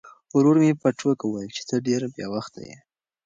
ورور مې په ټوکه وویل چې ته ډېر بې وخته یې.